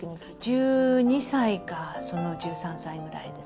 １２歳か１３歳ぐらいですかね。